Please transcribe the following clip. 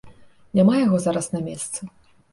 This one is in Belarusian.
Няма яго зараз на месцы.